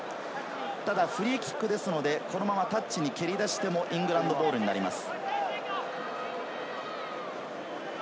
ただフリーキックですので、このままタッチにいけずともイングランドボールになります。